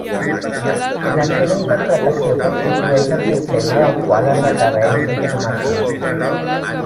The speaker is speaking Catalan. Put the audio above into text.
La seva interpretació constitueix el sistema del qual es requereix informació.